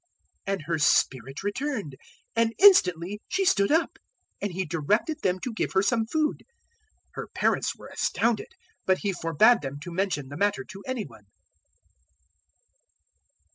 008:055 And her spirit returned, and instantly she stood up; and He directed them to give her some food. 008:056 Her parents were astounded; but He forbad them to mention the matter to any one.